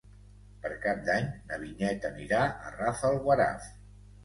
Per Cap d'Any na Vinyet anirà a Rafelguaraf.